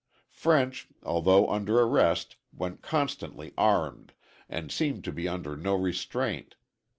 French, although under arrest, went constantly armed, and seemed to be under no restraint.